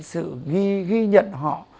sự ghi nhận họ